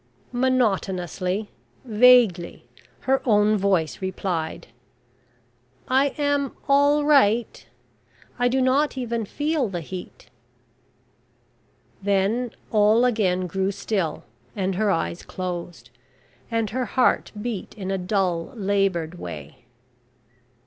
Monotonously vaguely her own voice replied: "I am all right I do not even feel the heat." Then, all again grew still, and her eyes closed, and her heart beat in a dull, laboured way.